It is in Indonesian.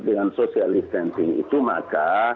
dengan social distancing itu maka